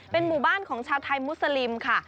หมู่บ้านของชาวไทยมุสลิมค่ะ